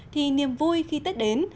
thì niềm vui khi tết đến